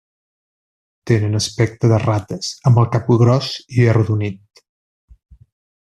Tenen aspecte de rates amb el cap gros i arrodonit.